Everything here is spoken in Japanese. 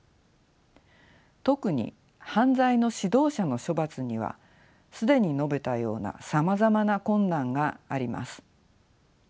特に犯罪の指導者の処罰には既に述べたようなさまざまな困難があります。